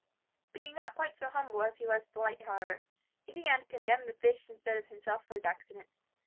Being not quite so humble as he was polite, however, he began to condemn the fish instead of himself for his accident.